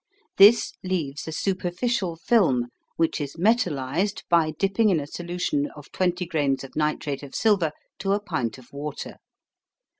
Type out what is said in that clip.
This leaves a superficial film which is metallised by dipping in a solution of 20 grains of nitrate of silver to a pint of water.